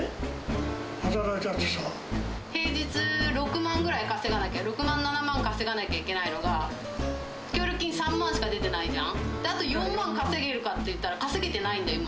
平日６万ぐらい稼がなきゃ、６万、７万稼がなきゃいけないのが、協力金３万しか出てないじゃん、あと４万稼げるかっていったら、稼げてないんだ、今。